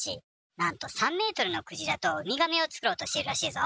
なんと３メートルのクジラとウミガメを作ろうとしているらしいぞ。